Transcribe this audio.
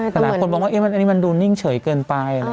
แต่หลายคนมองว่าอันนี้มันดูนิ่งเฉยเกินไป